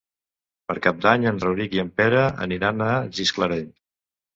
Per Cap d'Any en Rauric i en Pere aniran a Gisclareny.